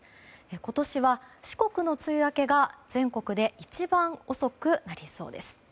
今年は四国の梅雨明けが全国で一番遅くなりそうです。